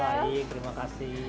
baik terima kasih